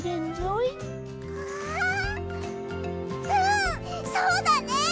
うんそうだね！